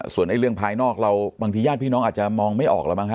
ส่วนเรื่องภายนอกเราบางทีญาติพี่น้องอาจจะมองไม่ออกแล้วมั้